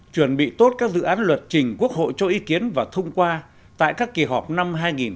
chuẩn bị tốt các dự án luật trình quốc hội cho ý kiến và thông qua tại các kỳ họp năm hai nghìn một mươi chín